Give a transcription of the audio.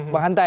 bang hanta ya